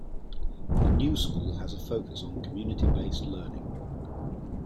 The New School has a focus on community-based learning.